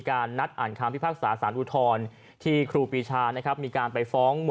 การนัดแคบที่ภาคสาธิ์สันทุทรที่ครูปีชานะครับมีการไปฟ้องหัว